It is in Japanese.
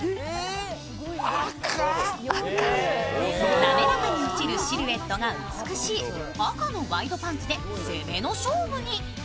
滑らかに落ちるシルエットが美しい赤のワイドパンツで攻めの勝負に。